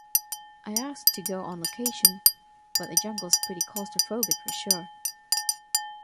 I asked to go on location, but a jungle's pretty claustrophobic, for sure.